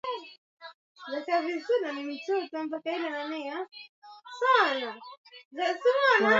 tumbili ya Dunia Mpya imepoteza asilimia tisini na tano